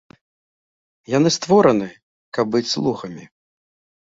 Яны створаны, каб быць слугамі.